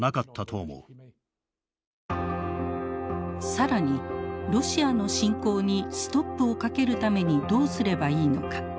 更にロシアの侵攻にストップをかけるためにどうすればいいのか。